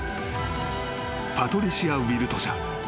パトリシア・ウィルトシャー］